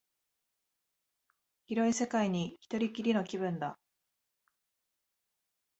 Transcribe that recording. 広い世界に一人きりの気分だ